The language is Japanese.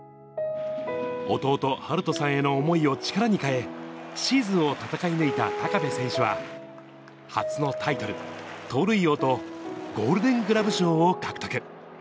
弟、晴斗さんへの思いを力に変え、シーズンを戦い抜いた高部選手は、初のタイトル、盗塁王とゴールデングラブ賞を獲得。